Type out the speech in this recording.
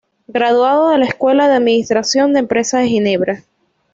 Graduado de la Escuela de Administración de Empresas de Ginebra.